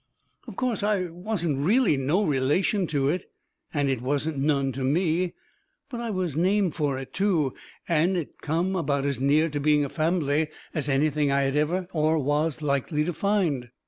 Of course, I wasn't really no relation to it and it wasn't none to me. But I was named fur it, too, and it come about as near to being a fambly as anything I had ever had or was likely to find.